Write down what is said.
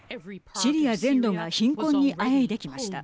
シリア全土が貧困にあえいできました。